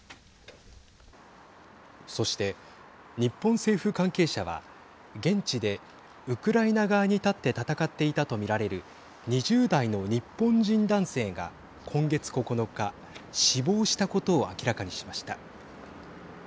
そして、日本政府関係者は現地でウクライナ側に立って戦っていたと見られる２０代の日本人男性が今月９日、死亡したことを明らかにしました。